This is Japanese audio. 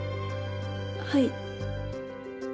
はい。